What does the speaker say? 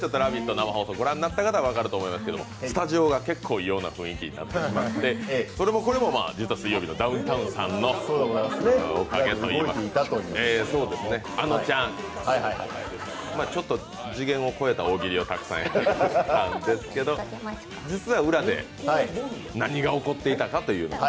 生放送を御覧になった方は分かると思いますがスタジオが結構異様な雰囲気になってしまって、それもこれも、実は「水曜日のダウンタウン」さんのおかげといいますかあのちゃん、ちょっと次元を超えた大喜利をたくさんやっていただいて、実は裏で何が起こっていたかというのを。